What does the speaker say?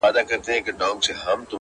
د هیلو تر مزاره مي اجل راته راغلی!.